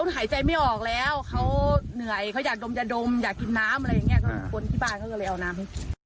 หายใจไม่ออกแล้วเขาเหนื่อยเขาก็อยากนมอยากกินน้ำ